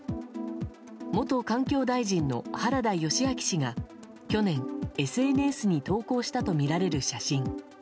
元環境大臣の原田義昭氏が去年、ＳＮＳに投稿したとみられる写真。